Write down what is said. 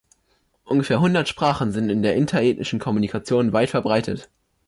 Ungefähr hundert Sprachen sind in der interethnischen Kommunikation weit verbreitet.